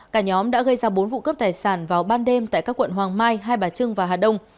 cả nhóm đã gây ra bốn vụ cướp tài sản vào ban đêm tại các quận hoàng mai hai bà trưng và hà đông